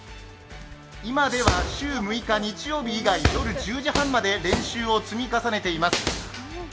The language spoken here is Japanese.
今では週６日、日曜日以外夜１０時半まで練習を積み重ねています。